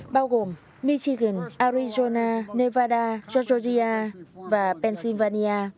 bao gồm michigan arizona nevada georgia và pennsylvania